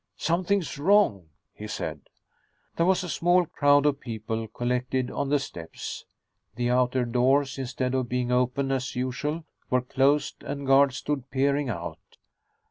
"Something's wrong," he said. There was a small crowd of people collected on the steps. The outer doors, instead of being open as usual, were closed and guards stood peering out.